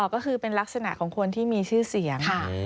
ก็คือเป็นลักษณะของคนที่มีชื่อเสียง